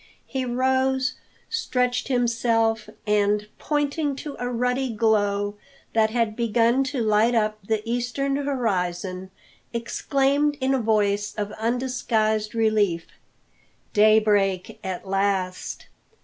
He rose, stretched himself, and, pointing to a ruddy glow that had begun to light up the eastern horizon, exclaimed in a voice of undisguised relief: "Daybreak at last!"